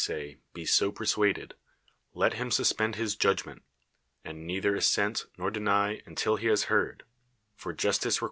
say, be so persuaded, let him suspend his judgment, and neither assent nor deny until he has heard ('i'or justice reciuires this